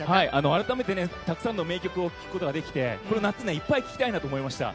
あらためてたくさんの名曲を聴くことができてこの夏でいっぱい聴きたいなと思いました。